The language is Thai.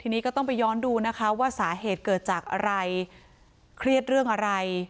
ทีนี้ก็ต้องไปย้อนดูนะคะว่าสาเหตุเกิดจากอะไรเครียดเรื่องอะไร